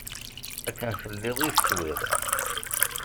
Akken telliḍ i teswiḍ.